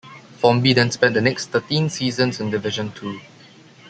Formby then spent the next thirteen seasons in Division Two.